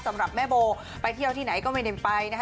สำหรับแม่โบไปเที่ยวที่ไหนก็ไม่ได้ไปนะคะ